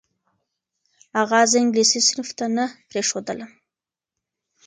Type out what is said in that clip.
اغا زه انګلیسي صنف ته نه پرېښودلم.